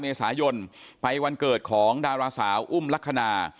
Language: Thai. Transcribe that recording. เมษายนไปวันเกิดของดาราสาวอุ้มลักษณะ